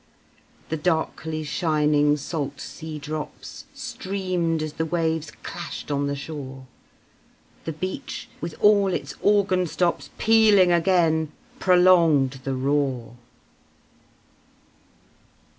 The darkly shining salt sea drops Streamed as the waves clashed on the shore; The beach, with all its organ stops Pealing again, prolonged the roar.